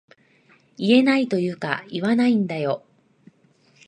言えないというか言わないんだよ